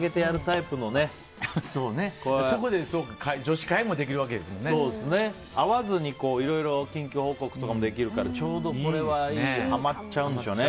そこで女子会も会わずにいろいろ近況報告とかもできるからちょうどこれはハマっちゃうんでしょうね。